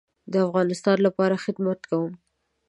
د افغانستان لپاره خدمت کوم